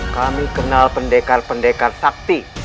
kami kenal pendekar pendekar sakti